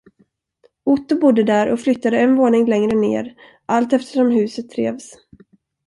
Otto bodde där och flyttade en våning längre ned allteftersom huset revs.